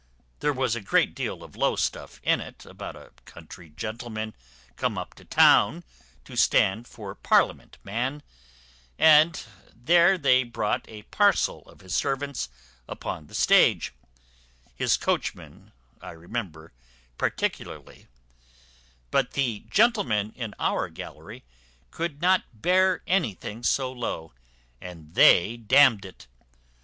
There was a great deal of low stuff in it about a country gentleman come up to town to stand for parliament man; and there they brought a parcel of his servants upon the stage, his coachman I remember particularly; but the gentlemen in our gallery could not bear anything so low, and they damned it.